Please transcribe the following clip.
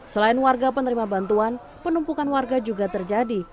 selain warga penerima bantuan penumpukan warga juga terjadi